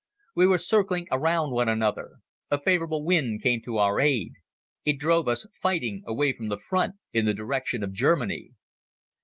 We were circling around one another. A favorable wind came to our aid. It drove us, fighting, away from the front in the direction of Germany.